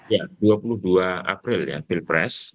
ya dua puluh dua april ya pilpres